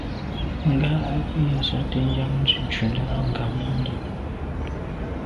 Ŋgá á gə́ jí zǎ tɛ̌n ják ndzwə́ ncúndá â ŋgàbándá.